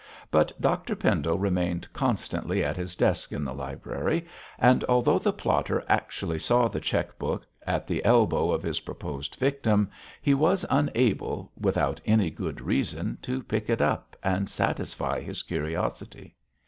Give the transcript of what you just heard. But Dr Pendle remained constantly at his desk in the library, and although the plotter actually saw the cheque book at the elbow of his proposed victim, he was unable, without any good reason, to pick it up and satisfy his curiosity.